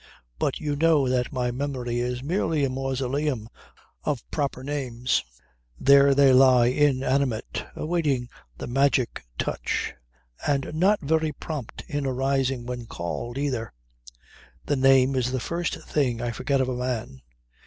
But you know that my memory is merely a mausoleum of proper names. There they lie inanimate, awaiting the magic touch and not very prompt in arising when called, either. The name is the first thing I forget of a man.